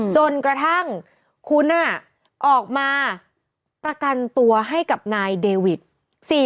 จนกระทั่งคุณออกมาประกันตัวให้กับนายเดวิท